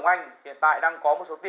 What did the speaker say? mến biết vợ anh đâu rồi